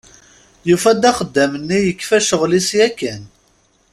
Yufa-d axeddam-nni yekfa ccɣel-is yakan.